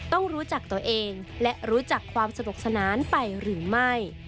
ต้องรู้จักตัวเองและรู้จักความสนุกสนานไปหรือไม่